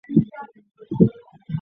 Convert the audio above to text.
当天现场须购票